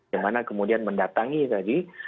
yang mana kemudian mendatangi tadi